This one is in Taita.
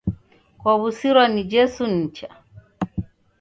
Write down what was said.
Kwawusirwa ni jesu nicha